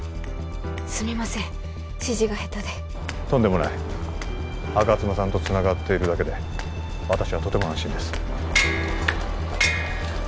すみません指示が下手でとんでもない吾妻さんとつながっているだけで私はとても安心です